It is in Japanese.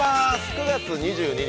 ９月２２日